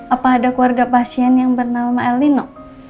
apa ada keluarga pasien yang bernama elino